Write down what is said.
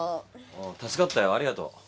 助かったよありがとう。